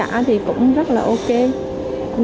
nên chị cũng đang tìm để đặt mua cỡ khoảng một trăm linh xích quà